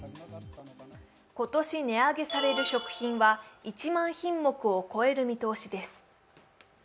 今年値上げされる食品は１万品目を超える見通しです。